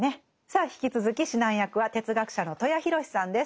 さあ引き続き指南役は哲学者の戸谷洋志さんです。